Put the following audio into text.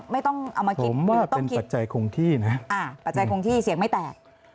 ไม่ต้องเอามากินปัจจัยคงที่นะปัจจัยคงที่เสียงไม่แตก